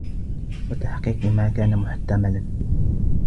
وَتَحْقِيقَ مَا كَانَ مُحْتَمَلًا